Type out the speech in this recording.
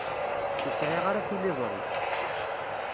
Ur sɛiɣ ara tiliẓri.